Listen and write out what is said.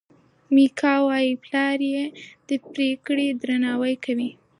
میکا وايي پلار یې د پرېکړې درناوی کوي.